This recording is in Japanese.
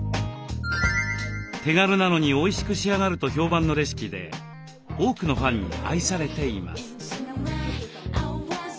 手軽なのにおいしく仕上がると評判のレシピで多くのファンに愛されています。